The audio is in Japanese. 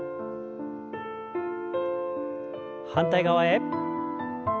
反対側へ。